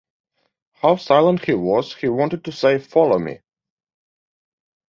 How silent he was. He wanted to say: “Follow me”.